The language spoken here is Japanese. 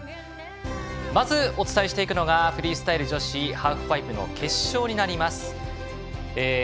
まずお伝えしていくのがフリースタイル女子ハーフパイプ決勝になります。